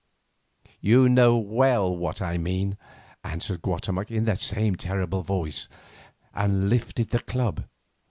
"You know well what I mean," answered Guatemoc in the same terrible voice, and lifted the club.